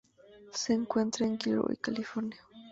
Se encuentra en Gilroy, California.